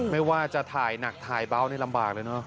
ไม่ว่าจะถ่ายหนักถ่ายเบานี่ลำบากเลยเนอะ